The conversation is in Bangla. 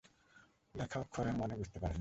লেখা অক্ষরের মানে বুঝতে পারে না।